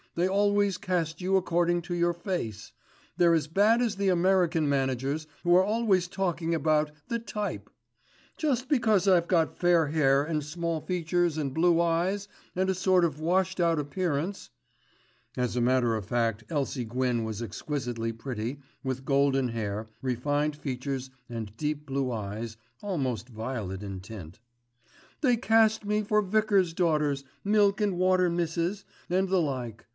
"They always cast you according to your face. They're as bad as the American managers, who are always talking about 'the type.' Just because I've got fair hair and small features and blue eyes, and a sort of washed out appearance (as a matter of fact Elsie Gwyn was exquisitely pretty with golden hair, refined features and deep blue eyes, almost violet in tint), they cast me for vicars' daughters, milk and water misses and the like.